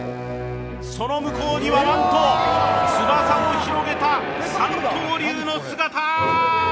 その向こうにはなんと、翼を広げた三頭竜の姿！